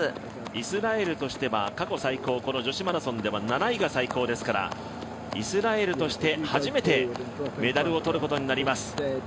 イスラエルとしては過去最高この女子マラソンでは７位が最高ですからイスラエルとして初めてメダルを取ることになります。